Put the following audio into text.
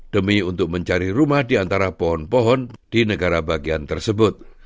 demi untuk mencari rumah di antara pohon pohon di negara bagian tersebut